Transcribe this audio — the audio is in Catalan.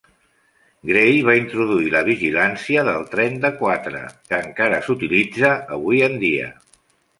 Gray va introduir la vigilància del tren de quatre, que encara s'utilitza avui en dia.